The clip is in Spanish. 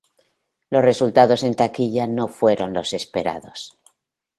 Los resultados en taquilla no fueron los esperados.